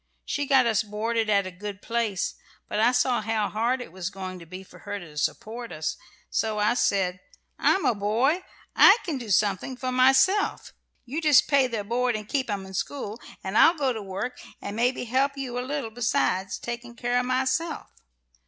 She got us boarded at a good place, but I saw how hard it was going to be for her to support us, so I said, 'I'm a boy; I can do something for myself. You just pay their board, and keep 'em to school, and I'll go to work, and maybe help you a little, besides taking care of myself.'"